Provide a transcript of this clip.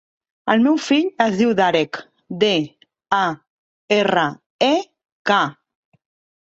El meu fill es diu Darek: de, a, erra, e, ca.